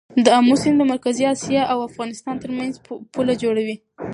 د امو سیند د مرکزي اسیا او افغانستان ترمنځ پوله جوړوي.